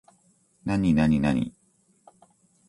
なになになに